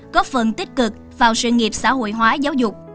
góp phần tích cực vào sự nghiệp xã hội hóa giáo dục